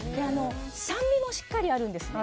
酸味もしっかりあるんですね。